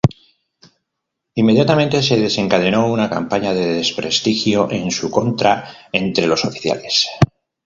Inmediatamente se desencadenó una campaña de desprestigio en su contra entre los oficiales.